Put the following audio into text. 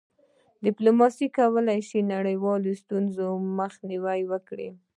ډيپلوماسي کولی سي له نړیوالو ستونزو مخنیوی وکړي.